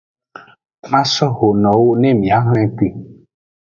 Maso ho nowo ne miaxwle kpi.